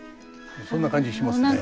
そんな感じしますね。